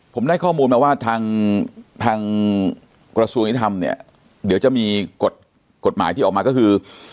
ผมได้ข้อมูลมาว่าทางทางกระทรวงยุทธรรมเนี่ยเดี๋ยวจะมีกฎหมายที่ออกมาก็คือ